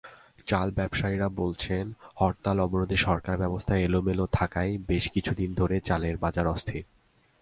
চাল ব্যবসায়ীরা বলছেন, হরতাল-অবরোধে সরবরাহব্যবস্থা এলোমেলো থাকায় বেশ কিছুদিন ধরে চালের বাজার অস্থির।